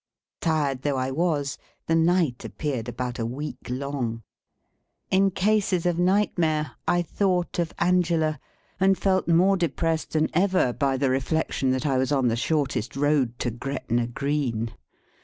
Tired though I was, the night appeared about a week long. In cases of nightmare, I thought of Angela, and felt more depressed than ever by the reflection that I was on the shortest road to Gretna Green.